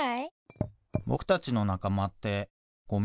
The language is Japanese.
ぼくたちのなかまってごみのなかま？